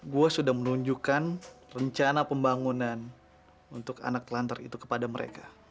gue sudah menunjukkan rencana pembangunan untuk anak telantar itu kepada mereka